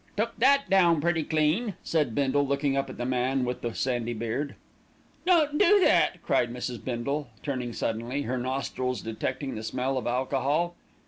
"Took that down pretty clean," said Bindle, looking up at the man with the sandy beard. "Don't do that!" cried Mrs. Bindle, turning suddenly, her nostrils detecting the smell of alcohol.